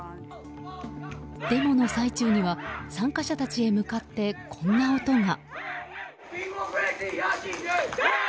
デモの最中には参加者たちへ向かってこんな音が。